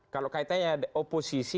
kalau kaitannya oposisi